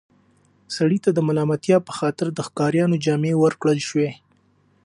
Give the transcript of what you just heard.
سړي ته د ملامتیا په خاطر د ښکاریانو جامې ورکړل شوې.